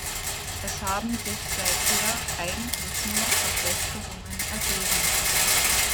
Es haben sich seither eigentlich nur Verschlechterungen ergeben.